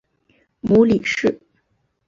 母李氏。